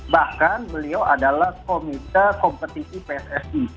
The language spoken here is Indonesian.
bahkan beliau adalah komite kompetisi pssi